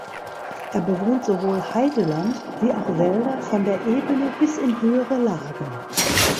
Er bewohnt sowohl Heideland wie auch Wälder von der Ebene bis in höhere Lagen.